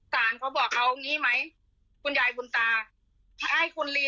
เขาบอกเขางี้ไหมคุณยายคุณตาให้คุณลี